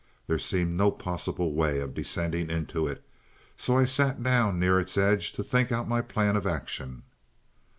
There seemed no possible way of descending into it, so I sat down near its edge to think out my plan of action.